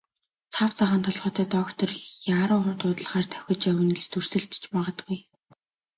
Цав цагаан толгойтой доктор яаруу дуудлагаар давхиж явна гэж дүрсэлж ч магадгүй.